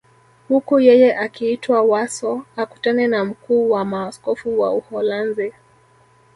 Huku yeye akiitwa Warsaw akutane na mkuu wa maaskofu wa Uholanzi